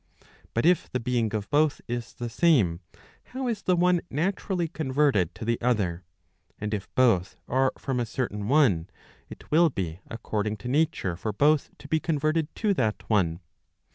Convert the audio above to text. But if the being of both is the same, how is the one naturally converted to the other? And if both are from a certain one, it will be according to nature for both to be converted to that one.